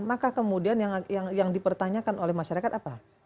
maka kemudian yang dipertanyakan oleh masyarakat apa